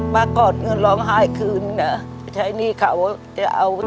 ป้ากอดเงินร้องไห้คืนนะใช้หนี้เขาจะเอาอุปสรรค์